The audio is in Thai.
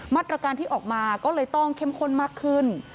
มาตรการที่ออกมาก็เลยต้องเข้มข้นมากขึ้น